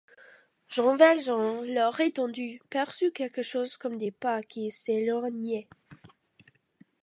Jean Valjean, l’oreille tendue, perçut quelque chose comme des pas qui s’éloignaient.